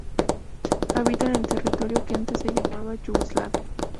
Habita en el territorio que antes se llamaba Yugoslavia.